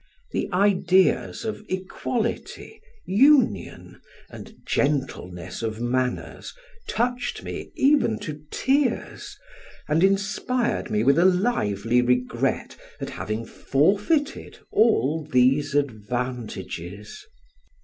The ideas of equality, union, and gentleness of manners, touched me even to tears, and inspired me with a lively regret at having forfeited all these advantages.